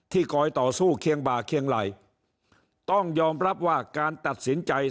คอยต่อสู้เคียงบ่าเคียงไหล่ต้องยอมรับว่าการตัดสินใจ